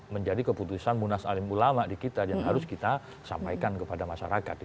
menjadi keputusan munas alim ulama di kita yang harus kita sampaikan kepada masyarakat